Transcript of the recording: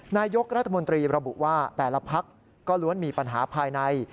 นายกรัฐมนตรีระบุว่าแต่ละพักก็ล้วนมีปัญหาภายใน